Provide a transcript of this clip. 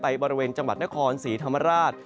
บริเวณจังหวัดนครศรีธรรมราช